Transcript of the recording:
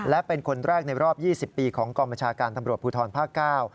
และเป็นคนแรกในรอบ๒๐ปีของกองบัญชาการตำรวจภูทรภาค๙